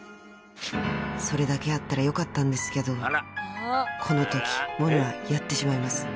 ［それだけやったらよかったんですけどこのときモネはやってしまいます］